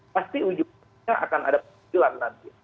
pasti ujungnya akan ada perkecilan nanti